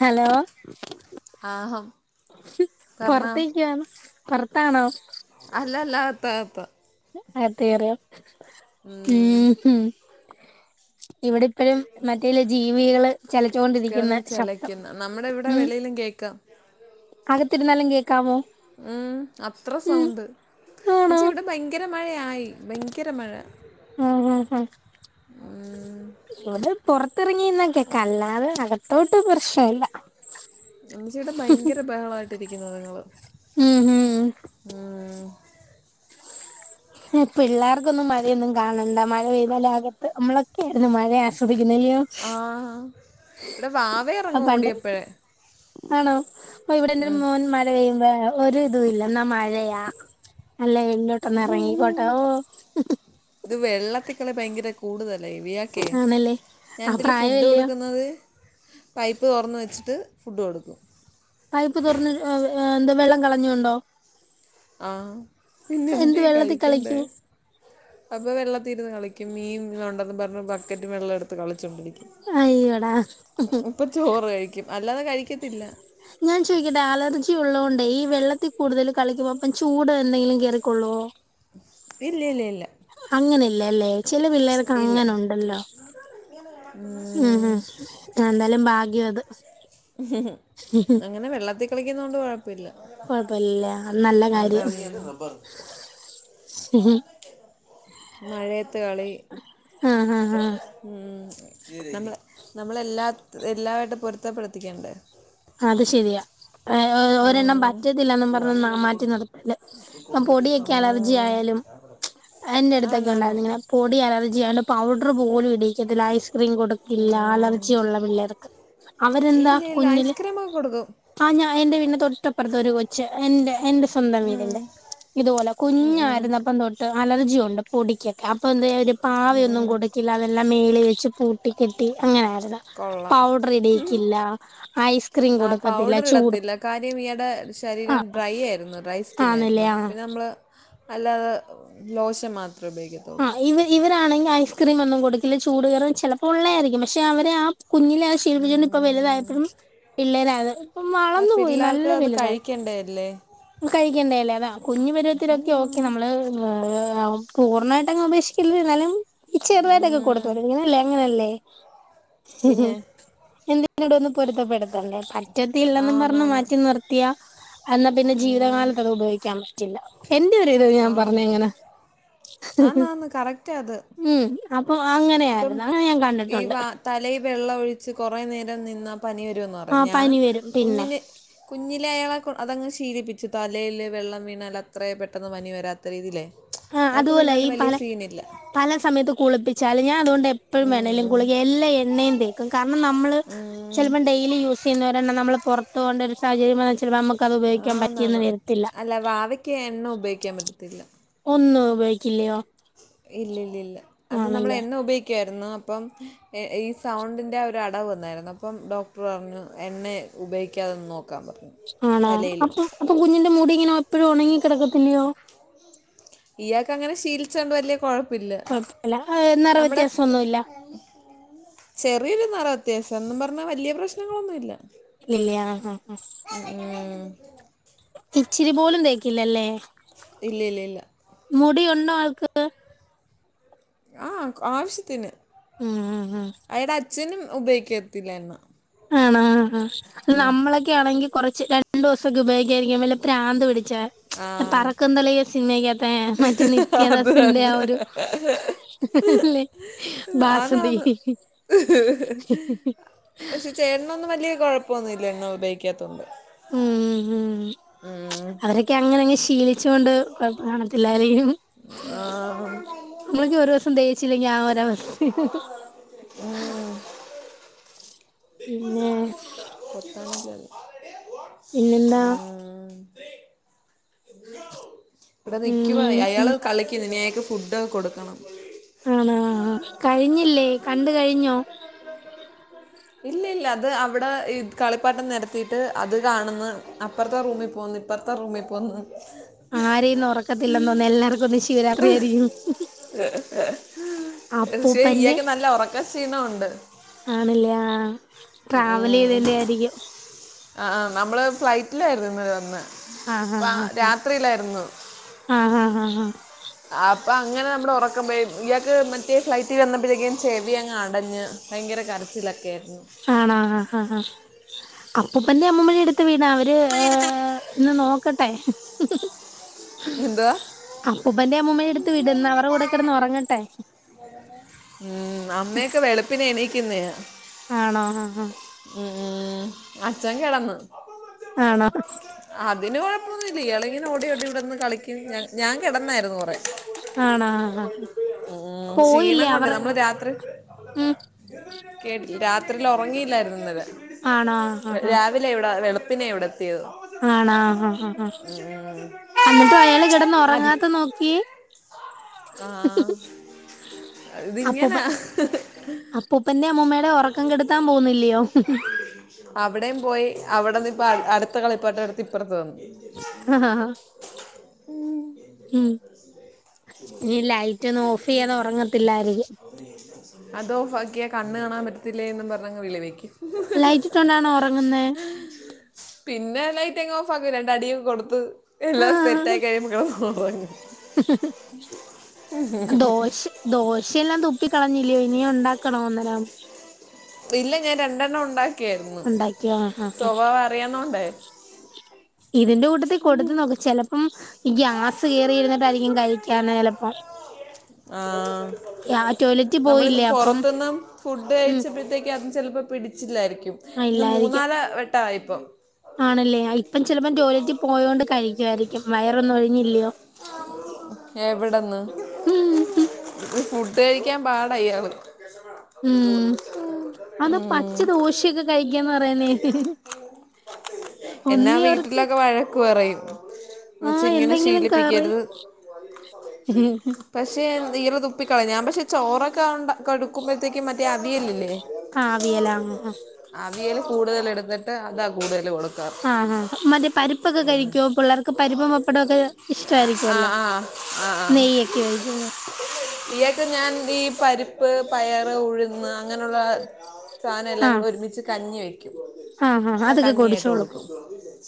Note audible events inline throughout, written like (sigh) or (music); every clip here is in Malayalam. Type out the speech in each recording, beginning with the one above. ഹലോ. ആഹം കാരണം പുറത്തേക്കാണ് പുറത്താണോ. അല്ലല്ല അകത്താകത്ത അകത്തുകയറിയോ ഉം, ഊഹ് ഇവിടിപ്പഴും മറ്റേല ജീവികള് ചിലച്ചുകൊണ്ടിരിക്കുന്ന കിടന്ന് ശബ്ദം ചിലയ്ക്കുന്ന നമ്മുടെ ഇവിടെ ഉം. വെളിയിലും കേൾക്കാം അകത്തിരുന്നാലും കേക്കാമോ. ഉ അത്ര ഉം സൗണ്ട്. ആണോ എന്നുവെച്ച ഇവിടെ ഭയങ്കര മഴയായി ഭയങ്കര മഴ. ഉം ഉം ഉം ഉം, ഇവിടെ പുറത്തിറങ്ങിന്നൊക്കെ കേക്കല്ലാതെ അകത്തോട്ട് പ്രശ്നല്ല. എന്ന ചേട്ടാ ഭയങ്കര ബഹളമായിട്ടിരിക്കുന്നു നിങ്ങള് ഉം ഉം ഉ. പിള്ളേർക്കൊന്നും മഴയൊന്നും കാണണ്ട മഴ പെയ്താലകത്ത് നമ്മളൊക്കെയയിരുന്നു മഴ ആസ്വാ- (unintelligible) ആഹ് ഇവിടെ വാവ ഇറങ്ങും പണ്ട് ഓടിയപ്പോഴേ ആണോ അപ്പൊ ഇവിടെ ണ്ടൊരു ഉം. മോൻ മ പെയ്പ ഒരു ഇതുല്ല ന്നാ മഴയാ അല്ല.. മുന്നോട്ടന്ന് ഇറങ്ങിക്കോട്ട വോ.. ഇത് വെള്ളത്തിക്കളി ഭയങ്കര കൂടുതല്ലേ ഇവക്കെ ആണല്ലേ ഞാൻ ആ എന്തൽ ഫുഡ് പ്രായമല്ലയോ കൊടുക്കുന്നത് പൈപ്പ് തുറന്ന് വെച്ചിട്ട് ഫുഡ് കൊടുക്കും പൈപ്പ് തുറന്ന് ഏഹ് എന്താ വെള്ളം കളഞ്ഞൊണ്ടോ ആഹ് പിന്നെ എന്ത് എന്തേ വെള്ളത്തിൽ കഴിക്കണ്ടേ കളിക്കൂ അപ്പൊ വെള്ള തീരുന്ന് കളിക്കും മീൻ ഇണ്ടെന്ന് പറഞ്ഞ ബക്കറ്റും വെള്ളം എടുത്ത് കളിച്ചോ അയ്യോടാ ഇപ്പം ചോറ് കഴിക്കും അല്ലാതെ കഴിക്കത്തില്ല ഞാൻ ചോദിക്കട്ടെ അലർജി ഉള്ളതോണ്ടേ ഈ വെള്ളത്തിൽ കൂടുതൽ കളിക്കുമ്പോ അപ്പം ചൂട് എന്തെങ്കിലും കയറക്കുള്ളുവോ? ഇല്ല ഇല്ല ഇല്ല അങ്ങനെല്ലേല്ലേ ചില പിള്ളേർക്ക് ഇല്ല അങ്ങനെ ഉണ്ടല്ലോ (unintelligible) ഉം ഉം എന്തായാലും ഭാഗ്യം അത് അങ്ങനെ വെള്ളത്തി കളിക്കുന്ന കൊണ്ട് കൊഴപല്ല കുഴപ്പില്ല അത് നല്ല കാര്യം റബ്ബർ മഴയത്തുകളി ആഹ് ആഹ് ആഹ് മ നമ്മ നമ്മളെല്ലാ എല്ലാവമായിട്ട് പൊരുത്തപ്പെടത്തിക്കേണ്ടേ? അത് ശെരിയാ ഒരെണ്ണം ഉം. പറ്റത്തില്ലന്നും അവന് പറഞ്ഞ വല്ലതും മാറ്റി കൊടുക്കണം നിർത്തല് നീ കൊടുത്തിട്ട് പൊടിയൊക്കെ അലർജി ഉം. ആയാലും അതിന്റെ ആ അടുത്തൊക്കെ നാന്നു ഉണ്ടായിരുന്നു ഇങ്ങെ പൊടി അലർജിണ്ട് പൗഡർ പോലും ടീക്കത്തില്ല ഐസ്ക്രീം കൊടുക്കില്ല ഉം. അലർജി ഉള്ള പിള്ളേർക്ക് അവരെന്താ കുഞ്ഞില് ക്കിമോ കൊടുക്കും ആ ഞാൻ എന്റെ വീടിന്റെ തൊട്ടപ്പുറത്ത് ഒരു കൊച്ച് എന്റെ എന്റെ സ്വന്തം ഉം. വീടിന്റെ ഇതുപോലെ ഉം, ഉം. കുഞ്ഞായിരുന്നപ്പം തൊട്ട് അലർജി ഉണ്ട് പൊടിക് അപ്പൊ എന്ത അവര് ഉം, പാവൊന്നും ഉം. കൊടുക്കില്ല അതെല്ലാം മേള വെച്ച് പൂ പുട്ടി കെട്ടി അങ്ങനെ ആയിരുന്നു കൊള്ളാം പൗഡർ ഇടീക്കില്ല ഐസ് ആ പൗഡർ ഇടത്തില്ല കാര്യം ഇയാടെ ആ ശരീരം ഡ്രൈ ആയിരുന്നു ഡ്രൈ സ്കിൻ ആന്നല്ലേ ആയിരുന്നു ആ പിന്നെ നമ്മൾ അല്ലാതെ ലോഷൻ മാത്രമേ ഉപയോഗിക്കത്തുള്ള ആഹ് ഇവ ഇവരാണെങ്കിൽ ഐസ്ക്രീം ഒന്നും കൊടുക്കില്ല ചൂട് കേറും ചെലപ്പോ ഉള്ളതായിരിക്കും പക്ഷെ അവരെ ആ കുഞ്ഞിലേ അത് ശീപ്പിച്ചോണ്ട് ഇപ്പൊ ഉം. വലുതായപ്പഴും പിള്ളേരായത് ഇപ്പ വളർന്നു പോയി നല്ല വലുതായി ഉണ്ടല്ലേ കഴിക്കണ്ടെ അല്ലേ അതാ കുഞ്ഞു പരുവത്തിലൊക്കെ ഒ ക്കെ നമ്മള് ആഹ് പൂർണ്ണമായിട്ട് അങ്ങ് ഉപേക്ഷിക്കരുത് എന്നാലും ഈ ചെറുതായിട്ടൊക്കെ ഉം. കൊടുത്തു തൊടങ്ങി അല്ലേ അങ്ങനെയല്ലേ? ഉം ഹു പിന്നെ എന്തിനോടു ഒന്ന് പൊരുത്തപ്പെടുത്തണ്ടേ പറ്റത്തില്ലെന്നും പറഞ്ഞ് ആന്നാന്ന് മാറ്റി നിർത്തിയാ അന്ന പിന്നെ ഉം. ജീവിതകാലത്ത് അത് ഉപയോഗിക്കാൻ പ റ്റില്ല എന്റെ ഒരു ഇത് ഞാൻ പറഞ്ഞ ആന്ന് എങ്ങന ആന്നാന്ന് കറക്റ്റാ അത് ഉം അപ്പൊ ഇപ്പം അങ്ങനെയായിരുന്നു അങ്ങനെ ഞാൻ ഈ കണ്ടിട്ടുണ്ട്. വ തലയിൽ വെള്ളം ഒഴിച്ച് കുറേ നേരം നിന്നാ പനി വരുവെന്ന് ആ പറഞ്ഞു. ഞാൻ പനി വരും പിന്നെ കുഞ്ഞിന് കുഞ്ഞിലെ അയാളെ അതങ്ങ് ശീലിപ്പിച്ചു തലയിൽ വെള്ളം വീണാൽ അത്രെ പെട്ടെന്ന് പനി വരാത്ത രീതില്ലേ ആ അയാൾക്ക് അതുപോലെ വീണാലും ഈ പല വല്ല്യ സീനില്ല പല സമയത്ത് കുളിപ്പിച്ചാല് ഞാൻ അതു കൊണ്ട് എപ്പഴും വേണേലും ഉം കുളിപ്പിക്കു എല്ലാ എണ്ണയും തേ ക്കും. കാരണം നമ്മള് ഉം ചിലപ്പോ ഡെയിലി യൂസ് ചെയ്യുന്ന ഒരെണ്ണം നമ്മള് പൊറത്ത് പോകണ്ടൊരു സാഹചര്യം വന്നാ ചിലപ്പോ നമ്മക്ക് അത് ഉപയോഗിക്കാൻ പറ്റി എന്ന് ആന്നാന്ന് വരത്തില്ല. അല്ല വാവെ ക്ക് എണ്ണ ഉപയോഗിക്കാൻ പറ്റത്തില്ല. ഒന്നും ഉപയോഗിക്കില്ല്യയോ? ഇല്ല്യല്ല ഇല്ല അത് നമ്മൾ എണ്ണ ഉപയോഗിക്കുവായിരുന്നു അപ്പം ഏഹ് ഈ സൗണ്ടിൻ്റെ ആ ഒരു അടവ് വന്നായിരുന്നു അപ്പം ഡോക്ടർ പറഞ്ഞു എണ്ണ ഉപയോഗിക്കാതെ നിന്ന് നോക്കാൻ പറഞ്ഞു ആണോ തലയിലും അപ്പൊ അപ്പൊ കുഞ്ഞിന്റെ മുടി ഇങ്ങനെ എപ്പോഴും ഉണങ്ങി കിടക്കത്തില്ലയോ? ഇയാൾക്ക് അങ്ങനെ ശീലിച്ചോണ്ട് വലിയ കൊഴ കുഴപ്പമില്ല അത് നിറവ്യത്യാസം ഒന്നും ഇല്ല. ചെറിയൊരു നിറ വ്യത്യാസം എന്നും പറഞ്ഞാ വലിയ പ്രശ്നങ്ങളൊന്നുമില്ല. ഇല്ല്യാ അഹ് ആഹ് ഉ ഊം ഇച്ചിരി പോലും തേക്കില്ലല്ലേ? ഇല്ല്യ ഇല്ല ഇല്ല മുടി ഉണ്ടോ ആൾക്ക്? ആഹ് ആവശ്യത്തിന് ഉം ഉം ഉം അയാൾടെ അച്ഛനും ഉപയോഗിക്കത്തില്ല എണ്ണ. ആണോ ആഹ് ആഹ് ഉം. നമ്മളൊ ക്കെ ആണെങ്കി കുറച്ച് രണ്ടു ദിവസൊക്കെ ഉപയോഗിക്കാതെയിരിക്കും വല്ല പ്രാന്ത് പിടിച്ച ആ പറക്കും തളിക സിനിമക്കകത്തെ മറ്റേ അത് നിത്യദാസിന്റെ ആ തന്നെ ഒരു ഇല്ലേ ബാസന്തി ആന്നാന്ന് പക്ഷെ ചേട്ടനൊന്നും വലിയ കുഴപ്പൊന്നും ഇല്ല എണ്ണ ഉപയോഗിക്കാത്തൊണ്ട് ഊം ഉം ഊം അവരൊക്കെ അങ്ങനെ അങ്ങ് ശീലിച്ചതു കൊണ്ട് കൊഴപ്പം കാണത്തില്ലായിരിക്കും. ആ നമ്മക്ക് ഒരു ദിവസം തേച്ചില്ലെങ്കിൽ ആ ഒരവസ്ഥയാ. പിന്നെ കൊത്താനൊക്കെ അറിയാം. പിന്നെന്താ ആഹ് ഇവിടെ നിക്കുവോ ഉം അയാള് ഉം കളിക്കുന്നു ഇനി അയാൾക്ക് ഫുഡ് ഒക്കെ കൊടുക്കണം. ആണാ ആ ആ കഴിഞ്ഞില്ലേ കണ്ടു കഴിഞ്ഞോ? ഇല്ല ഇല്ല അത് അവിടെ ഈ കളിപ്പാട്ടം നിരത്തിയിട്ട് അത് കാണുന്ന് അപ്പുറത്തെ റൂമിൽ പോന്നിട്ട് അപ്പർത്ത റൂമിൽ പോന്ന് ആരെയിന്നും ഉറക്കത്തില്ലെന്ന് തോന്നും എല്ലാർക്കും ഇന്ന് ശിവരാത്രി ആയിരിക്കും (unintelligible) ക്ഷേ അപ്പൂപ്പന്റെ ഇയാക്ക് നല്ല ഉറക്കക്ഷീണ ഉണ്ട് ആണല്ലേ ആ ട്രാവൽ ചെയ്തെൻ്റെ ആയിരിക്കും ആ നമ്മള് ഫ്ലൈറ്റിലായിരുന്നു ഇന്നലെ വന്നേ ആ രാത്രിയിലായിരുന്നു ആ ആ ആ ആഹ് അപ്പൊ അങ്ങനെ നമ്മള് ഉറക്കം പോയി ഇയാക്ക് മറ്റേ ഫ്ലൈറ്റിൽ വന്നപ്പോഴത്തേക്കും ചെവിയങ്ങ് അടഞ്ഞ് ഭയങ്കര കരച്ചിലൊക്കെ ആയിരുന്നു ആണൊ അ അ ആ അപ്പൂപ്പന്റെ അമ്മൂമ്മടെ അടുത്ത് വീണാ അവര് ഇന്ന് നോക്കട്ടെ എന്തുവാ അപ്പൂപ്പന്റെ അമ്മൂമ്മടെ അടുത്ത് വിട് ഇന്ന് അവരുടെ കൂടെ കിടന്ന് ഉറങ്ങട്ടെ (unintelligible) ഉം അമ്മയൊക്കെ വെളുപ്പിന് എണീക്കുന്നയാ ആണോ അ ആ ഉം ഉം അച്ഛൻ കിടന്നു ആണോ അതിന് കുഴപ്പമൊന്നും ഇല്ല ഇയാളിങ്ങിനെ ഓടി ഓടി ഇവിടന്ന് കളിക്കും ഞാൻ കിടന്നായിരുന്നു കുറെ ആണ ആഹ് ആ ഉം. ക്ഷീണം പോയില്ലേ കൊണ്ട് അവറ് നമ്മൾ രാത്രി ഉം കേട്ടില്ല രാത്രിയിൽ ഉറങ്ങിയില്ലായിരുന്നു ഇന്നലെ ആണോ ആഹ് ആ വെ- ആ രാവിലെ ഇവിടാ വെളുപ്പിനേ ഇവിടെത്തിയത് ആണാ ഹാ ഹാ ഹാ അന്നട്ടും അയാള് കെടന്നൊറങ്ങാത്ത നോക്കിയേ (inaudible) ആഹ് ഇതിങ്ങനാ അപ്പൂപ്പന്റെയമ്മൂമ്മേടെയും ഒറക്കം കെടുത്താൻ പോവുന്നില്ലിയോ അവിടേം പോയി അവിടന്നിപ്പ അട് അടുത്ത കളിപ്പാട്ടവെടുത്ത് ഇപ്പറത്ത് വന്ന് ആഹ് ആഹ് ഉം ഇനി ലൈറ്റൊന്നും ഓഫെയ്യാതെ ഒറങ്ങത്തില്ലായിരിക്കും അതോഫാക്കിയാ കണ്ണ് കാണാൻ പറ്റത്തില്ലേന്നും പറഞ്ഞങ്ങ് വിളി വെക്ക്യും ലൈറ്റിട്ടോണ്ടാണോ ഒറങ്ങുന്നേ? പിന്നെ ലൈറ്റങ്ങ് ഓഫാക്കും രണ്ടടിയും കൊടുത്ത് എല്ലാം സെറ്റായി കഴിയുമ്പ കെടന്നൊറങ്ങും ദോശ് ദോശയെല്ലാം തുപ്പിക്കളഞ്ഞില്ലിയോ ഇനിയൊണ്ടാക്കണോ അന്നേരം? ഇല്ല ഞാൻ രണ്ടെണ്ണം ഒണ്ടാക്കിയായിരുന്നു ഉണ്ടാക്കിയോ ആഹ് ആഹ് ആഹ് സ്വഭാവ അറിയന്നോണ്ടേ ഇതിന്റ കൂട്ടത്തീ കൊടുത്ത് നോക്ക് ചെലപ്പം ഈ ഗ്യാസ് കേറിയിരുന്നിട്ടായിരിക്കും കഴിക്കാന്നെ ചെലപ്പം ആഹ് ആഹ് ടോയ്ലറ്റിൽ നമ്മളിന്ന് പോയില്ലേ അപ്പം പൊറത്ത്ന്ന് ഫുഡ് ഉം കഴിച്ചപ്പഴത്തേക്ക്യാ ചെലപ്പോ പിടിച്ചില്ലായിരിക്കും ആഹ് ഇന്ന് ഇല്ലായിരിക്കും മൂന്നാല വട്ടവായി ആണല്ലേ ആഹ് ഇപ്പം ചെലപ്പം ടോയ്ലറ്റി പോയോണ്ട് കഴിക്കുവായിരിക്കും വയറൊന്ന് ഒഴിഞ്ഞില്ലിയോ (inaudible) എവിടന്ന് (unintelligible) ഫുഡ് കഴിക്കാൻ പാടാ ഇയാള് ഉം അതാ ഉം. പച്ച ദോശയൊക്കെ കഴിക്കാന്ന് പറയുന്നേ എന്നെ ഒന്നി അവർക്ക് വീട്ടിലൊക്കെ വഴക്ക് പറയും എന്ന് വെച്ചാ ആഹ് ഇങ്ങനെ എന്തെങ്കിലും കറി ശീലിപ്പിക്കരുത് പക്ഷേ (unintelligible) തുപ്പിക്കളയും ഞാൻ പക്ഷെ ചോറൊക്കെ ഉണ്ടാ കൊടുക്കുമ്പഴത്തേക്ക് മറ്റേ അവിയലില്ലേ ആഹ് അവിയലാ (unintelligible) അവിയല് കൂടുതലെടുത്തിട്ട് അതാ കൂടുതല് കൊടു ആ ആ മറ്റേ പരിപ്പൊക്കെ കഴിക്കോ പിള്ളേർക്ക് പരിപ്പും പപ്പടൊക്കെ ആഹ് ആഹ് ആഹ് ആഹ് നെയ്യക്കെ ഒഴിക്കുമ്പം ഇയാക്ക് ഞാൻ ദീ പരിപ്പ് പയറ് ഉഴുന്ന് അങ്ങനയുള്ള സാധനം എല്ലാം ആ കൂടെ ഒരുമിച്ച് കഞ്ഞി വെയ്ക്കും ആ ആ ക അതൊക്കെ കഞ്ഞിയായിട്ട് കുടിച്ചോളും കൊടുക്കും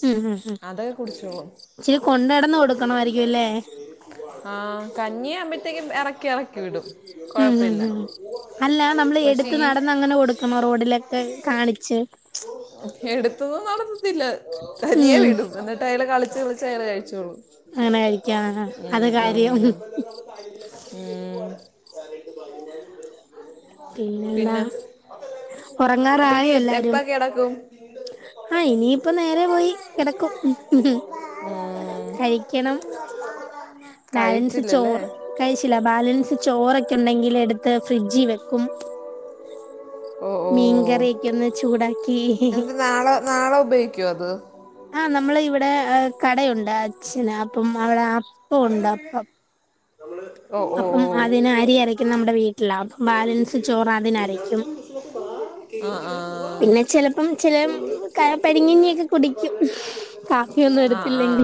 ഉം ഉം ഉം അതൊക്കെ കുടിച്ചോളും ഇച്ചിരി കൊണ്ട് നടന്ന് കൊടുക്കണമായിരിക്കും അല്ലേ ആഹ് കഞ്ഞിയാവുമ്പഴത്തേക്കും എറക്കിയെറക്കി വിടും ഉം ഉം കുഴപ്പമില്ല ഉം അല്ലാ നമ്മള് പക്ഷെ എട്ത്ത് ഈ നടന്നങ്ങനെ കൊടുക്കണം റോഡിലക്കെ കാണിച്ച് എടുത്തൊന്നും നടത്തത്തില്ല തനിയേ. ഉം വിടും എന്നിട്ടയാള് കളിച്ച് കളിച്ച് അയാള് കഴിച്ചോളും അങ്ങനെ കഴിക്കാ ആഹ് അത് ഉം, കാര്യം ഉം, ഉം പിന്നെന്താ പിന്നെ അപ്പൊ ഇനി ഉറങ്ങാറായോ എപ്പ എല്ലാരും കിടക്കും ആഹ് ഇനിയിപ്പം നേരേ പോയി കിടക്കും കഴിക്കണം ബാലൻസ് കഴിച്ചിൽ ചോറ് കഴിച്ചില്ല ബാലൻസ് ചോറൊക്കെ ഉണ്ടെങ്കിലെടുത്ത് ഫ്രിഡ്ജിവെക്കും ഓ ഓ മീൻകറിയെക്കെയൊന്ന് ചൂടാക്കീ എന്നിട്ട് നാളെ നാളെ ഉപയോഗിക്കുമോ അത് ആഹ് നമ്മള് ഇവിടേ ആഹ് കടയുണ്ട് അച്ഛന് അപ്പം അവിടെ അപ്പവുണ്ട് അപ്പം നമ്മള്. അപ്പം, അതിന് അരിയരക്കുന്നെ നമ്മുടെ വീട്ടിലാ. അപ്പം ബാലൻസ് ചോറ് അതിനരയ്ക്കും. ആഹ് ആഹ് പിന്നെ ചിലപ്പം. ചെല ക പഴങ്ങഞ്ഞിയൊക്കെ തുടങ്ങാണ് കുടിക്കും. കാപ്പിയൊന്നും ആ ആ എടുത്തില്ലെങ്കിൽ.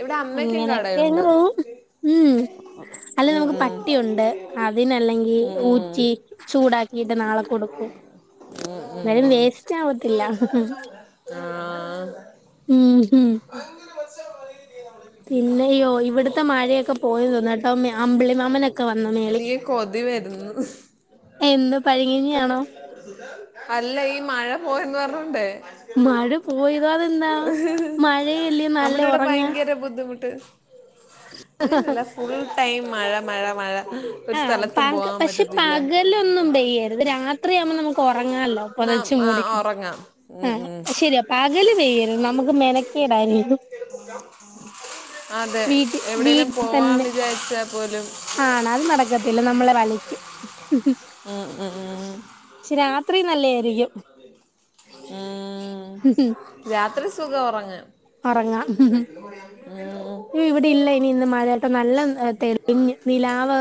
ഇവിടെ അമ്മയ്ക്കും ഇങ്ങനക്കെ അങ്ങ് കടയുണ്ട് പോവും ഉം. അല്ല ഉം, നമ്മുക്ക് ഉം. പട്ടിയുണ്ട്. അതിനല്ലെങ്കി ഉം, ഊറ്റി. ചൂടാക്കീട്ട് നാളെ കൊടുക്കും ഉം, (unintelligible) ഉം. വേസ്റ്റാവത്തില്ല ആ ഉം ഉം (inaudible) ഇവിടുത്തെ (unintelligible) മഴയൊക്കെ ഇനിയിപ്പം പോയി നമ്മള് നേരെ തോന്നട്ടോ അമ്പിളി നെടുമ്പാശേരിക്കാ മാമനൊക്കെ വന്ന (unintelligible) മേളി എനിക്ക് കൊതി വരുന്ന്. (unintelligible) എന്ത് പഴങ്കഞ്ഞിയാണോ അല്ല ഈ മഴ പോയെന്ന്, പറഞ്ഞോണ്ടെ. മഴ പോയതാതെന്നാ മഴയല്ലേ, നല്ല നമ്മുടെ ഇവിടെ ഉറങ്ങാൻ. ഭയങ്കര ബുദ്ധിമുട്ട്. അങ്ങനല്ല ഫുൾ ടൈം മഴ, മഴ, മഴ. ഒരു സ്ഥലത്തും ആഹ് പോകാൻ പക്ഷേ പറ്റത്തില്ല പകലൊന്നും പെയ്യരുത്. രാത്രിയാവുമ്പോ നമ്മുക്ക് ഉറങ്ങാല്ലോ. ന്നാ പൊതച്ചു ആ മൂടിക്കിടക്കണം. ഉറങ്ങാം ഉം ഉം അയ് ശരിയാ പകല് പെയ്യരുത് നമ്മുക്ക് മെനക്കേടാല്ലേലും. അതെ എവിടെലും വീട്ടിൽ പോവാൻ വിചാരിച്ചാ പോലും ന്നാലും നടക്കത്തില്ല നമ്മളെ വലക്കും. ഉം ഉം ഉം പക്ഷേ രാത്രി നല്ലായിരിക്കും. ഉം ഹ് ഹും. രാത്രി സുഖാ ഒറങ്ങാൻ. ഒറങ്ങാം. ഹു ഹും. (unintelligible) ഇവിടെ ഇല്ല ഇനിന്ന് മഴ, പ്പം. നല്ല തെളിഞ്ഞ് നിലാവ്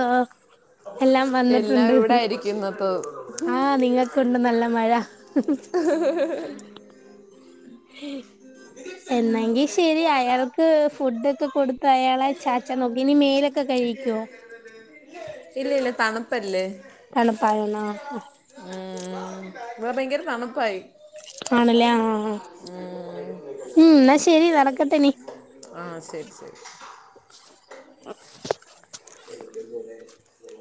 എല്ലാം എല്ലാം വന്നിട്ടുണ്ട്. ഇവിടെ ആയിരിക്കും ഇന്നത്തെ ആഹ് നിങ്ങക്കുണ്ട് നല്ല മഴ. എന്നെങ്കി ശെരി. അയാൾക്ക് ഫുഡെക്കെ കൊടുത്തയാളെ ചാച്ചാ നോക്കി. ഇനി മേലൊക്കെ കഴുകിക്ക്യോ? ഇല്ല ഇല്ല തണുപ്പല്ലേ. തണുപ്പായെന്നാ. ഉം ഇവിടേ ഭയങ്കര തണുപ്പായി. ആണ് ല്ലെ. ആഹ് ആഹ് ഉം എന്നാ ശെരി നടക്കട്ടെ ഇനി. ആഹ് ശെരി ശെരി. (unintelligible) (unintelligible)